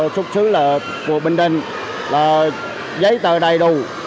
xuất xứ của bình định là giấy tờ đầy đủ